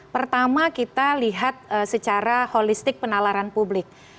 pertama kita lihat secara holistik penalaran publik